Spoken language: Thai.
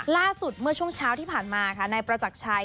ล่าสุดเมื่อช่วงเช้าที่ผ่านมาค่ะนายประจักรชัย